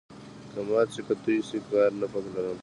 که مات سي که توی سي، کار نه په لرم.